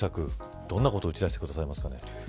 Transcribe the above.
どんなことを打ち出してくださいますかね。